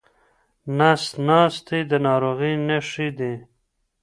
نس ناستي د ناروغۍ نښې دي.